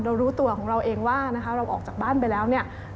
เรารู้ตัวของเราเองว่าเราออกจากบ้านไปแล้ว